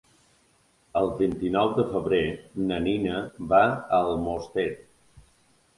El vint-i-nou de febrer na Nina va a Almoster.